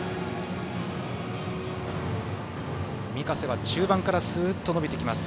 御家瀬は中盤からスーッと伸びてきます。